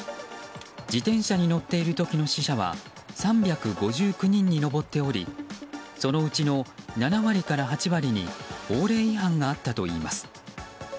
自転車に乗っている時の死者は３５９人に上っておりそのうちの７割から８割に法令違反があったといいます。